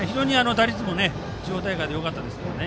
打率も地方大会でよかったですからね。